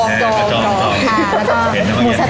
แล้วก็หมูสะเต๊ะค่ะ